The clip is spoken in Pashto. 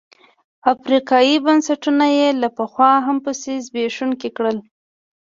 افریقايي بنسټونه یې له پخوا هم پسې زبېښونکي کړل.